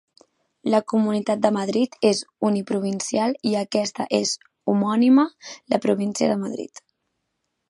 La Comunitat de Madrid és uniprovincial i aquesta és homònima, la província de Madrid.